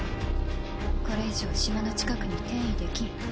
これ以上島の近くに転移できん。